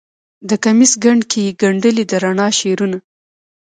د کمیس ګنډ کې یې ګنډلې د رڼا شعرونه